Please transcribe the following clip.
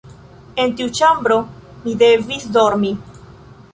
En tiu ĉambro mi devis dormi.